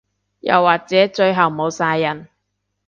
又或者最後冇晒人